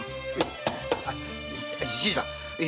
新さん